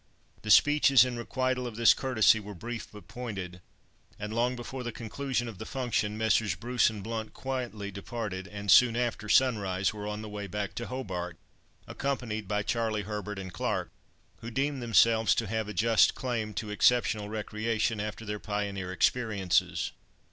The speeches in requital of this courtesy were brief but pointed; and long before the conclusion of the function, Messrs. Bruce and Blount quietly departed and soon after sunrise were on the way back to Hobart, accompanied by Charlie Herbert and Clarke, who deemed themselves to have a just claim to exceptional recreation after their pioneer experiences.